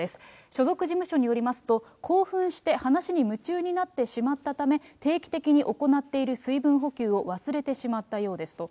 所属事務所によりますと、興奮して話に夢中になってしまったため、定期的に行っている水分補給を忘れてしまったようですと。